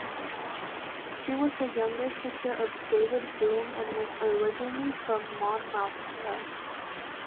She was the younger sister of David Broome and was originally from Monmouthshire.